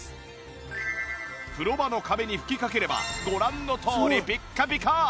風呂場の壁に吹きかければご覧のとおりピッカピカ！